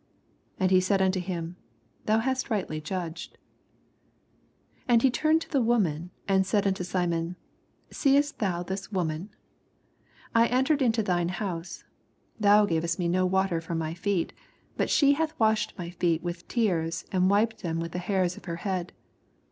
And he said nnto him. Thou hast rightly judged. 44 And ne tnmod to the woman, and said unto Simon, Seest thou this woman f I entered into thine house, thou gavest me no water for my feet ; but sue hath washd my feet with tears, and wiped them with the hairs of her head.